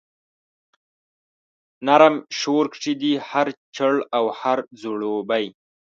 نرم شور کښي دی هر چړ او هر ځړوبی